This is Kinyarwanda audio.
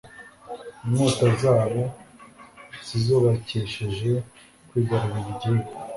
Inkota zabo si zo bakesheje kwigarurira igihugu